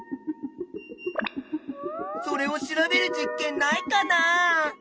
それを調べる実験ないかなあ？